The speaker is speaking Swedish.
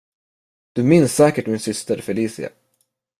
Du minns säkert min syster Felicia.